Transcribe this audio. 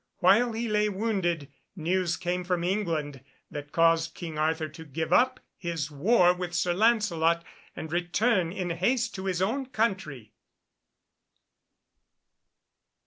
While he lay wounded, news came from England that caused King Arthur to give up his war with Sir Lancelot, and return in haste to his own country.